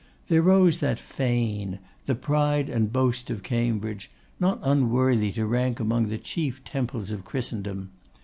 There rose that fane, the pride and boast of Cambridge, not unworthy to rank among the chief temples of Christendom.